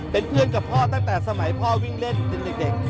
เป็นเพื่อนกับพ่อตั้งแต่สมัยพ่อวิ่งเล่นเป็นเด็ก